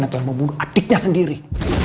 yang telah membunuh adiknya sendiri